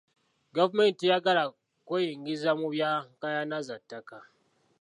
Gavumenti teyagala kweyingiza mu bya nkaayana za ttaka.